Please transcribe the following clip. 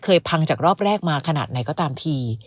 พังจากรอบแรกมาขนาดไหนก็ตามที